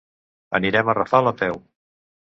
Anirem a Rafal a peu.